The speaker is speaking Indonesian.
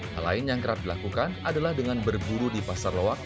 hal lain yang kerap dilakukan adalah dengan berburu di pasar loak